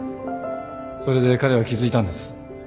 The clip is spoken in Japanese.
それで彼は気付いたんです。